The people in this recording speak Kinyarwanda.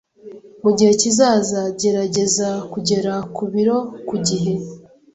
Mugihe kizaza, gerageza kugera ku biro ku gihe.